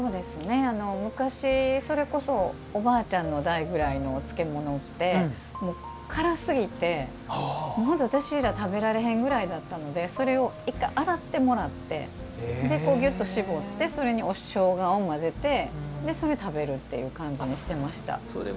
昔、それこそおばあちゃんの代ぐらいのお漬物って辛すぎて、私らは食べられへんぐらいだったのでそれを１回、洗ってもらってぎゅっとしぼってもらってそれに、しょうがを混ぜてそれを食べるという感じにしていました。